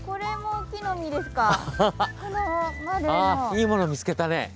いいものを見つけたね。